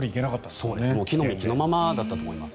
着の身着のままだったと思います。